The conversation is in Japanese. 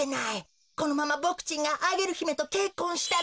このままボクちんがアゲルひめとけっこんしたら。